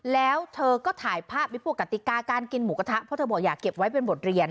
แล้วเธอก็ถ่ายภาพพวกกติกาการกินหมูกระทะเพราะเธอบอกอยากเก็บไว้เป็นบทเรียน